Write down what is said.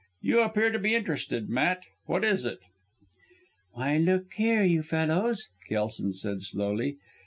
You appear to be interested, Matt. What is it?" "Why, look here, you fellows!" Kelson said slowly.